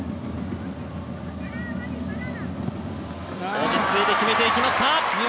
落ち着いて決めていきました。